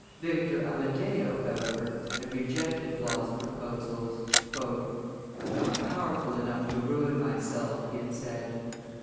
Victor Amadeo, however, had rejected Law's proposals. "I am not powerful enough to ruin myself," he had said.